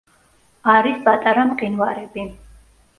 არის პატარა მყინვარები.